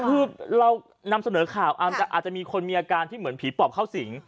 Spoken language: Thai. คือเรานำเสนอข่าวอาจจะมีคนมีอาการที่เหมือนผีปอบเข้าสิง